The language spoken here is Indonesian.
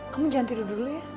kamu jangan tidur dulu ya